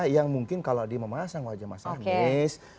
yang mungkin kalau dimasang wajah mas anies